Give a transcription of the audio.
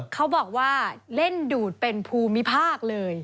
เขาบอกว่าเล่นดูดเป็นภูมิภาคเลย